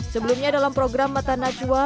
sebelumnya dalam program matanacua